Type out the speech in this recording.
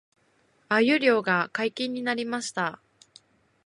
鮎漁が解禁になりました